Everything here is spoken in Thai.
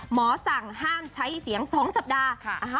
หมอสั่งห้ามใช้เสียง๒สัปดาห์